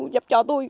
dập cho tôi